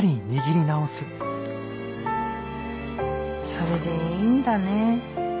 それでいいんだね。